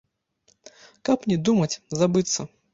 Каб не думаць, забыцца.